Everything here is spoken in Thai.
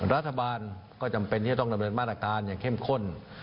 รัฐบาลก็จำเป็นที่จะต้องดำเนินมาตรการอย่างเข้มข้น